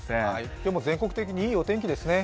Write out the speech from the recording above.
でも全国的にいいお天気ですね。